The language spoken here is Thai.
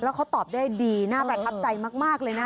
แล้วเขาตอบได้ดีน่าประทับใจมากเลยนะ